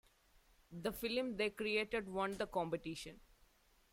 The film they created won the competition.